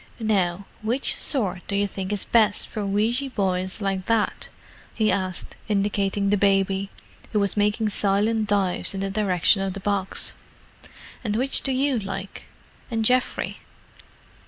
"Now, which sort do you think is best for weeshy boys like that?" he asked, indicating the baby, who was making silent dives in the direction of the box. "And which do you like?—and Geoffrey?"